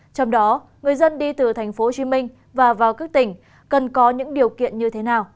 trong đó người dân đi từ tp hcm và vào các tỉnh cần có những điều kiện như thế nào